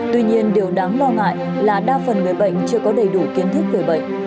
tuy nhiên điều đáng lo ngại là đa phần người bệnh chưa có đầy đủ kiến thức về bệnh